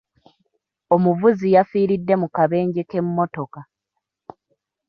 Omuvuzi yafiiridde mu kabenje k'emmotoka.